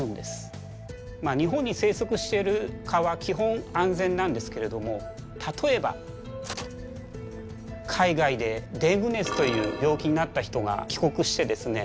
日本に生息している蚊は基本安全なんですけれども例えば海外でデング熱という病気になった人が帰国してですね